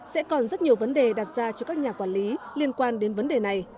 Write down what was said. sẽ còn rất nhiều vấn đề đặt ra cho các nhà quản lý liên quan đến vấn đề này